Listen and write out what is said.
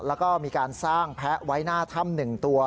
แล้วก็มีการสร้างแพะไว้หน้าถ้ำ๑ตัว